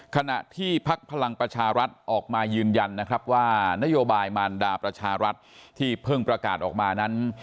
ขณะที่พักพลังประชารัฐออกมายืนยันนะครับว่านโยบายมารดาประชารัฐที่เพิ่งประกาศออกมานั้น